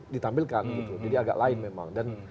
ditampilkan gitu jadi agak lain memang dan